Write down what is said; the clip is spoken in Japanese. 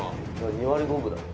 ２割５分だよ。